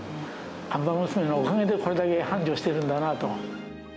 看板娘のおかげで、これだけ繁盛してるんだなと。